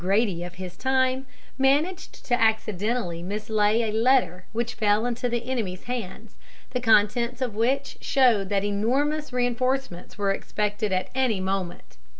Grady of his time, managed to accidentally mislay a letter which fell into the enemy's hands, the contents of which showed that enormous reinforcements were expected at any moment.